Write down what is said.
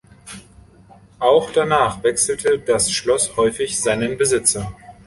Auch danach wechselte das Schloss häufig seinen Besitzer.